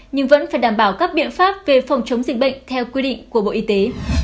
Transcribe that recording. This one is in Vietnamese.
nhưng vẫn phải đảm bảo các biện pháp về phòng chống dịch bệnh theo quy định của bộ y tế